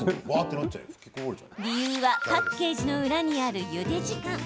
理由は、パッケージの裏にあるゆで時間。